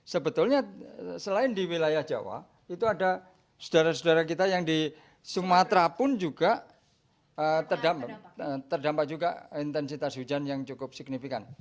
sebetulnya selain di wilayah jawa itu ada saudara saudara kita yang di sumatera pun juga terdampak juga intensitas hujan yang cukup signifikan